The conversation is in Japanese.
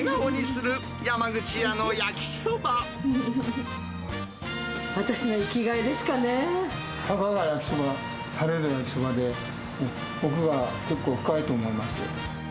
たかが焼きそば、されど焼きそばで、奥が結構、深いと思います。